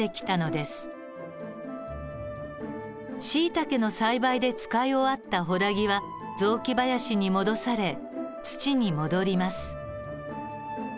シイタケの栽培で使い終わったホダギは雑木林に戻され土に戻ります。